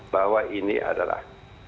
bahwa ini adalah